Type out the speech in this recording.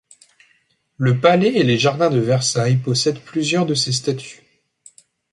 Le palais et les jardins de Versailles possèdent plusieurs de ses statues.